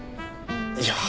いや。